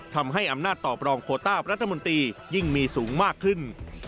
ทำให้อำนาจตอบรองโคต้ารัฐมนตรียิ่งมีสูงมากขึ้น